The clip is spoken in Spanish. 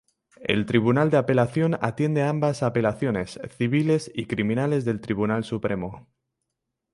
El Tribunal de Apelación atiende ambas apelaciones, civiles y criminales del Tribunal supremo.